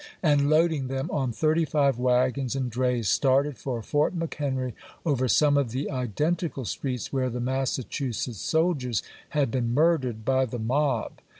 and loading them on thirty five wagons and drays started for Fort McHenry over some of the identical streets where the Massachusetts soldiers had been mui'dered by the mob.